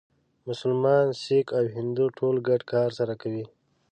مسلمان، سیکه او هندو ټول ګډ کار سره کوي.